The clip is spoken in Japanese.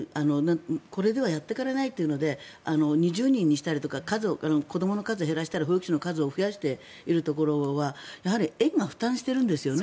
これではやっていかれないというので２０人にしたりとか子どもの数を減らしたら保育士の数を増やしているところはやはり園が負担しているんですよね